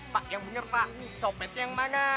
pak yang punya pak copet yang mana